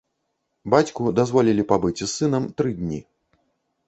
Бацьку дазволілі пабыць з сынам тры дні.